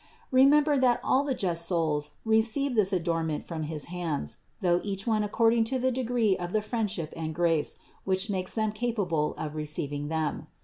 Remember that all the just souls receive this adornment from his hands, though each one according to the degree of the friendship and grace, which makes them capable of receiving them.